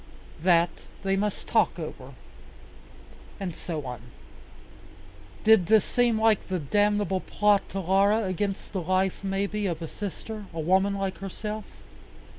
That they must talk over. And so on. Did this seem like a damnable plot to Laura against the life, maybe, of a sister, a woman like herself?